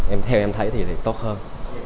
em theo em thấy thì tốt hơn